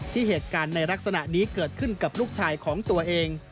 เหตุการณ์ในลักษณะนี้เกิดขึ้นกับลูกชายของตัวเอง